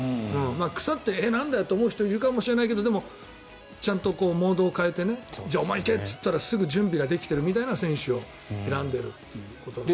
腐って、なんだよと思う人はいるかもしれないけどでも、ちゃんとモードを変えてお前、行けって言ったら準備できているみたいな選手を選んでるということかな。